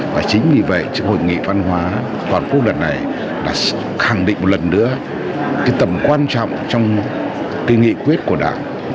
và chính vì vậy hội nghị văn hóa toàn quốc lần này đã khẳng định một lần nữa cái tầm quan trọng trong cái nghị quyết của đảng